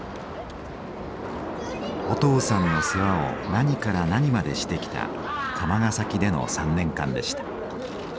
お父さんの世話を何から何までしてきた釜ヶ崎での３年間でした。